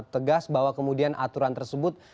tegas bahwa kemudian aturan tersebut